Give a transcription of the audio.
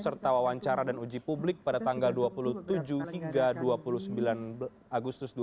serta wawancara dan uji publik pada tanggal dua puluh tujuh hingga dua puluh sembilan agustus dua ribu dua puluh